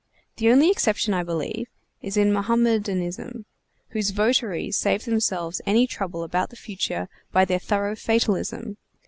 The only exception, I believe, is in Mohammedanism, whose votaries save themselves any trouble about the future by their thorough fatalism.